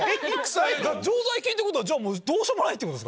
常在菌ってことはどうしようもないってこと？